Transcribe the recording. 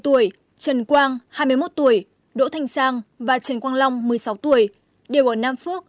trần quang hai mươi một tuổi đỗ thanh sang và trần quang long một mươi sáu tuổi đều ở nam phước